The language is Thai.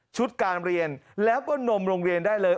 การเรียนแล้วก็นมโรงเรียนได้เลย